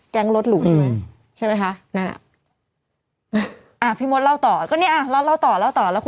แก๊งรถหลุใช่ไหมใช่ไหมคะ